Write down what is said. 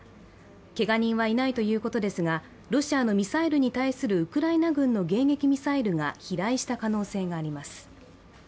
けが人はいないということですがロシアのミサイルに対するウクライナ軍の迎撃ミサイルが飛来した可能性があります。